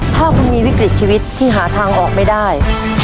ถ้าคุณมีวิกฤตชีวิตที่หาทางออกไม่ได้